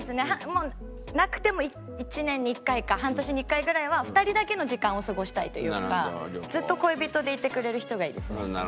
もうなくても１年に１回か半年に１回ぐらいは２人だけの時間を過ごしたいというかずっと恋人でいてくれる人がいいですね。